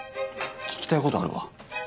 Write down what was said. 聞きたいことあるわ。